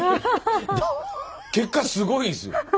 結果すごいですよ。